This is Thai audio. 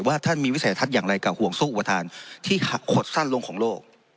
ว่าถ้ามีวิสัยทัศน์อย่างไรกับห่วงสู้อุปฏิภัณฑ์ที่ห่ดขดสั้นโลกของโลก